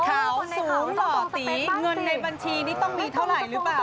ขาวสูงหล่อตีเงินในบัญชีนี้ต้องมีเท่าไหร่หรือเปล่า